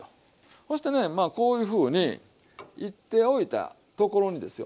そしてねまあこういうふうにいっておいたところにですよ